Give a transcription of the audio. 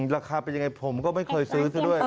ราคาเป็นยังไงผมก็ไม่เคยซื้อซะด้วย